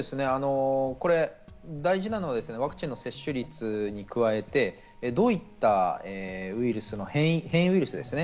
大事なのはワクチンの接種率に加えて、どういったウイルスの変異ウイルスですね。